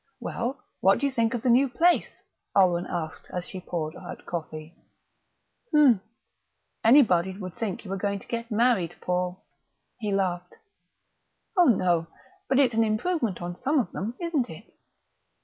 "Well, what do you think of the new place?" Oleron asked as she poured out coffee. "Hm!... Anybody'd think you were going to get married, Paul." He laughed. "Oh no. But it's an improvement on some of them, isn't it?"